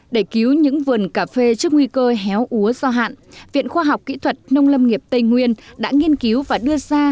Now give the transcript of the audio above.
để cứu những vườn cà phê trước nguy cơ héo úa do hạn viện khoa học kỹ thuật nông lâm nghiệp tây nguyên đã nghiên cứu và đưa ra